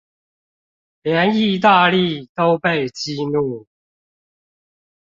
連義大利都被激怒